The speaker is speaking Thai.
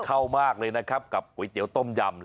เข้ามากเลยนะครับกับก๋วยเตี๋ยวต้มยำ